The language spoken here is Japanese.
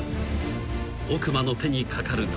［奥間の手にかかると］